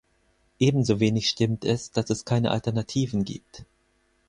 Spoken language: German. Ebenso wenig stimmt es, dass es keine Alternativen gibt.